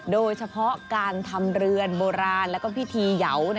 โดยเฉพาะการทำเรือนโบราณแล้วก็พิธีเหยาว